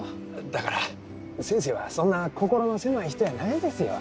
だから先生はそんな心の狭い人やないですよ。